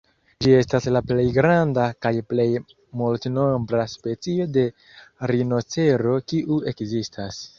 Ĝi estas la plej granda kaj plej multnombra specio de rinocero kiu ekzistas.